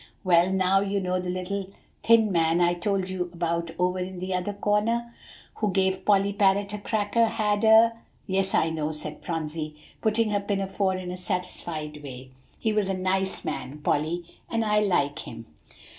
"Well, now, you know the little thin man I told you about over in the other corner, who gave Polly parrot a cracker, had a" "Yes, I know," said Phronsie, patting her pinafore in a satisfied way. "He was a nice man, Polly, and I like him."